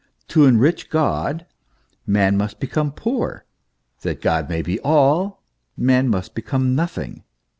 To enrich God, man must become poor; that God may be all, man must be nothing.